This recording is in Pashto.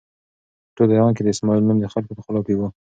په ټول ایران کې د اسماعیل نوم د خلکو په خولو کې و.